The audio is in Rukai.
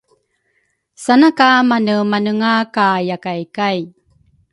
sana ka manemanenga ka yakay kay.